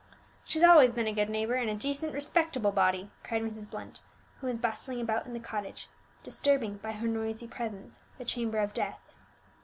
"She's al'ays been a good neighbour, and a decent, respectable body!" cried Mrs. Blunt, who was bustling about in the cottage, disturbing, by her noisy presence, the chamber of death.